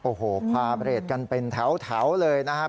โอ้โหพาเรทกันเป็นแถวเลยนะครับ